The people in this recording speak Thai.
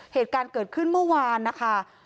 เหตุการณ์เกิดขึ้นเมื่อวานนะคะ